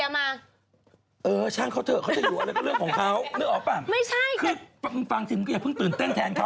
มึงก็อย่าเพิ่งตื่นเต้นแทนเขาเพราะว่าไม่ได้ไปนอนกับเขา